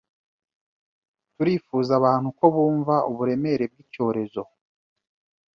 turifuza abantu ko bumva uburemere bwicyorezo